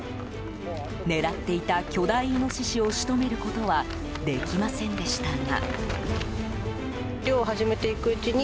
狙っていた巨大イノシシを仕留めることはできませんでしたが。